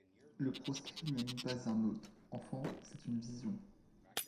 Le proscrit n’est pas même un hôte, Enfant, c’est une vision.